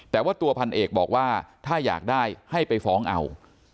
แต่ว่าตัวพันเอกบอกว่าถ้าอยากได้ให้ไปฟ้องเอา